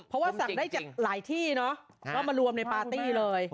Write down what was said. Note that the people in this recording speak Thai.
เพราะว่าสั่งได้จากหลายที่เนอะแล้วมารวมในปาร์ตี้เลย